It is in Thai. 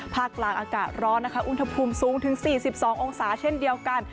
ภาคกลางอากาศร้อนนะคะอุณหภูมิสูงถึง๔๒องศาเช่นเดียวกัน